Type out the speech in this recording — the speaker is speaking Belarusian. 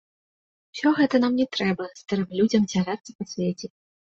Усё гэта нам не трэба, старым людзям цягацца па свеце!